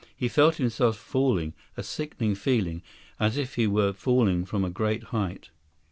He felt himself falling, a sickening feeling, as if he were falling from a great height.